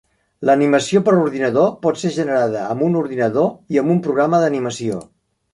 L'animació per ordinador pot ser generada amb un ordinador i amb un programa d'animació.